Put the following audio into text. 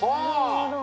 なるほど。